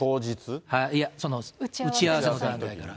いや、打ち合わせの段階から。